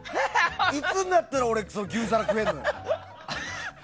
いつになったら俺、牛皿食えるの？